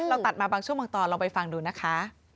ตัดมาบางช่วงบางตอนลองไปฟังดูนะคะ